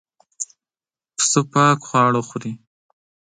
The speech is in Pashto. پسه پاک خواړه خوري.